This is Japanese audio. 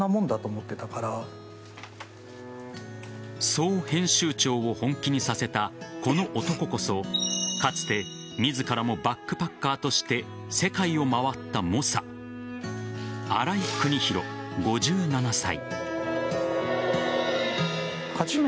そう編集長を本気にさせたこの男こそかつて自らもバックパッカーとして世界を回った猛者新井邦弘、５７歳。